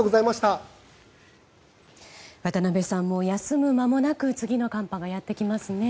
渡辺さん、休む間もなく次の寒波がやってきますね。